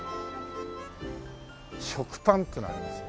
食パンっていうのがありますよ。